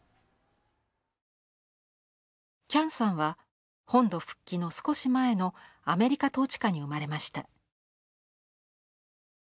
喜屋武さんは本土復帰の少し前のアメリカ統治下に生まれました。